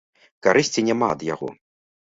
Карысці няма ад яго.